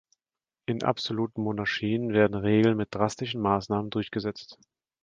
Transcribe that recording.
In absoluten Monarchien werden Regeln mit drastischen Maßnahmen durchgesetzt.